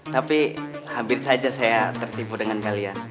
tapi hampir saja saya tertipu dengan kalian